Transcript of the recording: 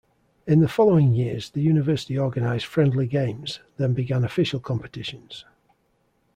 In the following years the university organized friendly games, then began official competitions.